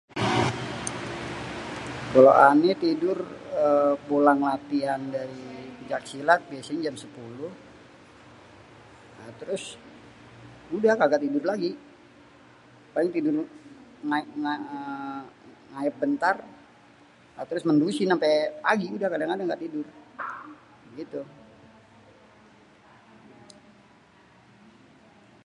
kalo ané tidur pulang ééé latian dari péncak silat biasanyé jam 10. Nah, terus udah kagak tidur lagi, paling tidur ééé ngangaéb béntar nah terus méndusin ampé pagi udah kadang-kadang gak tidur, begitu